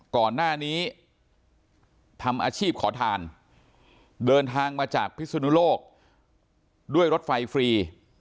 ก่อนหน้านี้ทำอาชีพขอทานเดินทางมาจากพิศนุโลกด้วยรถไฟฟรี